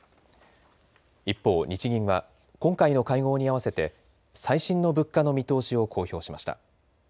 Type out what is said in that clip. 一方、日銀は今回の会合に合わせて最新の物価の見通しを公表しました。